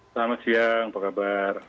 selamat siang apa kabar